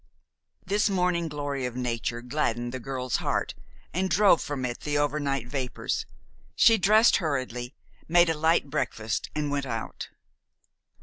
This morning glory of nature gladdened the girl's heart and drove from it the overnight vapors. She dressed hurriedly, made a light breakfast, and went out.